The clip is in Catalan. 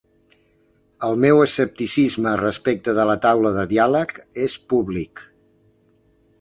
El meu escepticisme respecte de la taula de diàleg és públic.